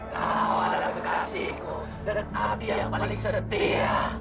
kau adalah kekasihku dan api yang paling setia